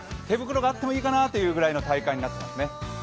手袋があってもいいかなというぐらいの体感になってます